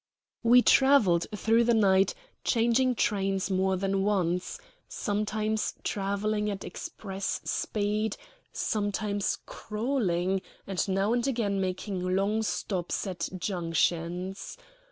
We travelled through the night, changing trains more than once sometimes travelling at express speed, sometimes crawling, and now and again making long stops at junctions.